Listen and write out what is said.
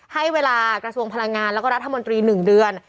ให้เวลากระทรวงพลังงานแล้วก็รัฐมนตรี๑เดือน